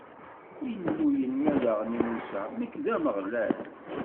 Illu yenna daɣen i Musa: Nekk, d Ameɣlal.